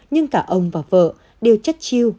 nhưng cả ông và vợ đều chất chiêu